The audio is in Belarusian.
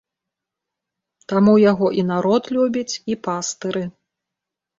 Таму яго і народ любіць, і пастыры.